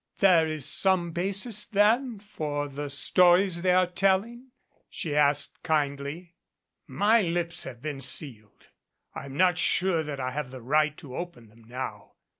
"There is some basis then for the stories they are tell ing?" she asked kindly. "My lips have been sealed. I'm not sure that I have the right to open them now.